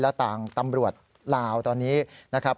และต่างตำรวจลาวตอนนี้นะครับ